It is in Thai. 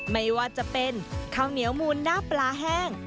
ไม่ว่าจะเป็นข้าวเหนียวมูลหน้าปลาแห้ง